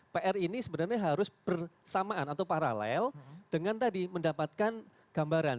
pr ini sebenarnya harus bersamaan atau paralel dengan tadi mendapatkan gambaran